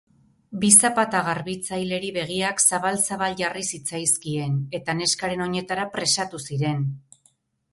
Bi zapata-garbitzaileri begiak zabal-zabal jarri zitzaizkien, eta neskaren oinetara presatu ziren.